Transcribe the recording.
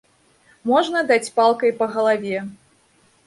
Можна даць палкай па галаве.